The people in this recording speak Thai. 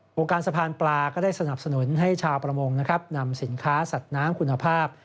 วงการสะพานปลาก็ได้สนับสนุนให้ชาวประมงนะครับนำสินค้าสัตว์น้ำคุณภาพ